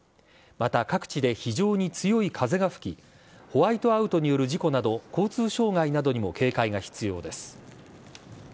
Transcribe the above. また、各地で非常に強い風が吹き、ホワイトアウトによる事故など、交通障害などにも警戒が必要です。